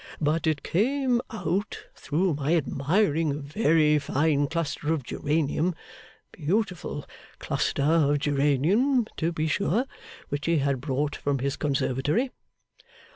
But it came out, through my admiring a very fine cluster of geranium beautiful cluster of geranium to be sure which he had brought from his conservatory.